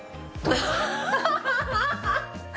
アハハハハ！